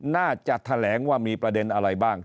น่าจะแถลงว่ามีประเด็นอะไรบ้าง